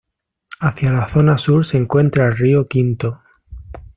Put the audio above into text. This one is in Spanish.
Hacía la zona sur se encuentra el Río Quinto.